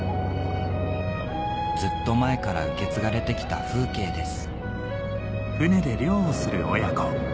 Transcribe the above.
ずっと前から受け継がれてきた風景です